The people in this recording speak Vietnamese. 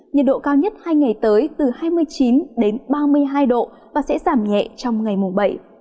nhiệt độ cao nhất hai ngày tới từ hai mươi chín đến ba mươi hai độ và sẽ giảm nhẹ trong ngày mùng bảy